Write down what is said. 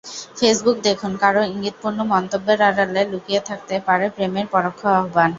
Facebook দেখুন—কারও ইঙ্গিতপূর্ণ মন্তব্যের আড়ালে লুকিয়ে থাকতে পারে প্রেমের পরোক্ষ আহ্বান।